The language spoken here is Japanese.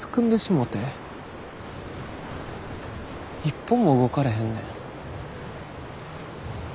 一歩も動かれへんねん。